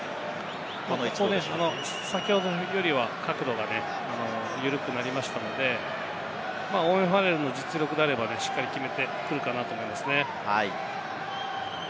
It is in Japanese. ここね、先ほどよりは角度が緩くなりましたので、オーウェン・ファレルの実力であれば、しっかり決めてくるかなと思いますね。